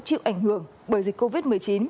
được ảnh hưởng bởi dịch covid một mươi chín